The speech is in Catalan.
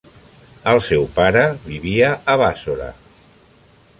El seu pare vivia a Bàssora.